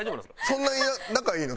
そんなに仲いいの？